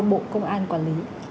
bộ công an quản lý